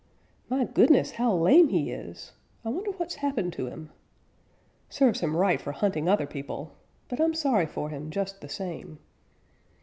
My goodness, how lame he is! I wonder what's happened to him. Serves him right for hunting other people, but I'm sorry for him just the same.